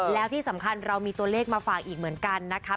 แล้วที่สำคัญเรามีตัวเลขมาฝากอีกเหมือนกันนะคะ